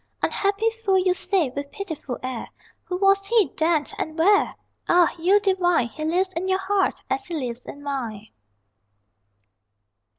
Unhappy fool, you say, with pitiful air: Who was he, then, and where? Ah, you divine He lives in your heart, as he lives in mine.